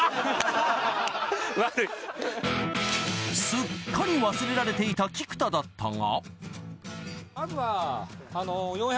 すっかり忘れられていた菊田だったが。